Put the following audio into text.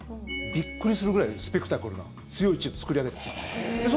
びっくりするぐらいスペクタクルな強いチームを作り上げたんです。